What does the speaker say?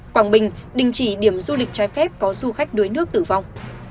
quảng bình đình chỉ điểm du lịch trái phép có du khách đuối nước tử vong